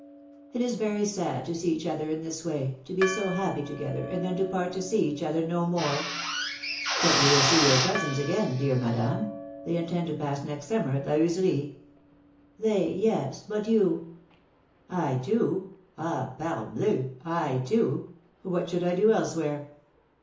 ^^ It is very sad to see each other in this way, to be so happy together, and then to part to see each other no more.'^ But you will see your cousins again, dear Madame ; they intend to pass next summer at La Heuserie.^^ They, yes ; but you I too ; ah ! parbleu I I too ! What should I do else where